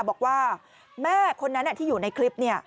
บอกว่าแม่คนนั้นที่อยู่ในคลิป